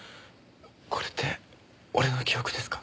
これって俺の記憶ですか？